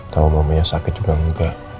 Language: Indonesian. tau mamanya sakit juga gak